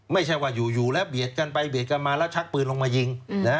ไม่ใช่ว่าอยู่แล้วเบียดกันไปเบียดกันมาแล้วชักปืนลงมายิง